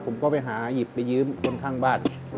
ผมก็ไปหาหยิบไปยืมคนข้างบ้าน